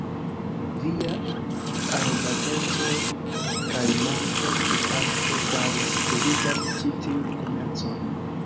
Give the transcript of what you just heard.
Via aroganteco kaj manko de takto faris, ke vi perdis ĉi tiun komercon.